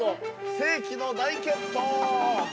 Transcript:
世紀の大決闘ー。